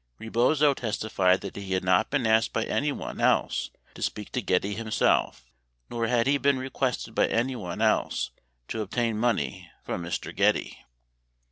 82 Rebozo testified that he had not been asked by anyone else to speak to Getty himself nor had he been requested by anyone else to obtain money from Mr. Getty.